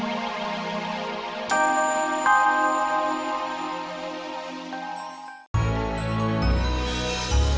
supaya banyak masyarakat